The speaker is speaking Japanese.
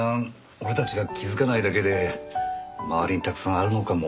俺たちが気づかないだけで周りにたくさんあるのかも。